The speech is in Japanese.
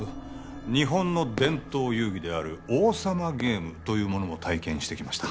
日本の伝統遊戯である王様ゲームというものも体験してきました